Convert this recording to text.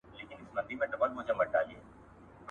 • پېټ نسته، شرم غره ته ختلی دئ.